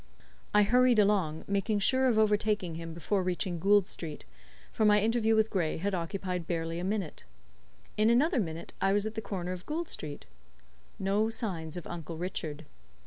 I hurried along, making sure of overtaking him before reaching Gould Street, for my interview with Gray had occupied barely a minute. In another minute I was at the corner of Gould Street. No signs of Uncle Richard.